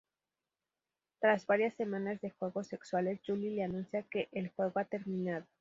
Tras varias semanas de juegos sexuales, Julie le anuncia que "El juego ha terminado".